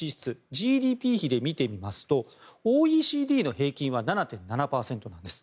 ＧＤＰ比で見てみますとＯＥＣＤの平均は７．７％なんです。